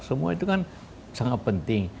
semua itu kan sangat penting